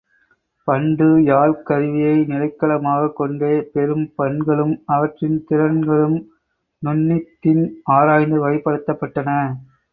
பண்டு யாழ்க் கருவியை நிலைக்களமாகக் கொண்டே பெரும் பண்களும் அவற்றின் திறங்களும் நுண்ணிதின் ஆராய்ந்து வகைப்படுத்தப்பட்டன.